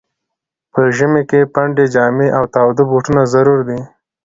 په ژمي کي پنډي جامې او تاوده بوټونه ضرور دي.